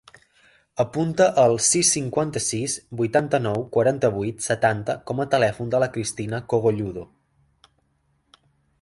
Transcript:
Apunta el sis, cinquanta-sis, vuitanta-nou, quaranta-vuit, setanta com a telèfon de la Cristina Cogolludo.